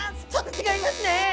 ちょっと違いますね。